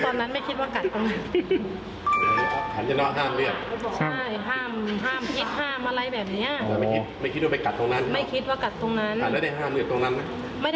ห้ามไม่ได้เลย